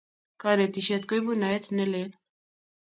kanetishet kuipu naet ne lel